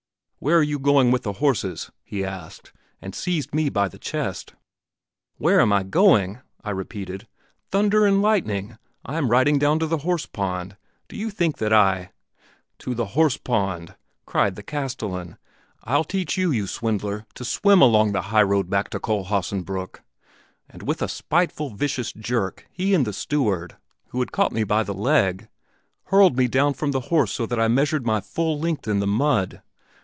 'Where are you going with the horses?' he asked, and seized me by the chest. 'Where am I going?' I repeated. 'Thunder and lightning! I am riding down to the horse pond. Do you think that I ?' 'To the horse pond!' cried the castellan. 'I'll teach you, you swindler, to swim along the highroad back to Kohlhaasenbrück!' And with a spiteful, vicious jerk he and the steward, who had caught me by the leg, hurled me down from the horse so that I measured my full length in the mud.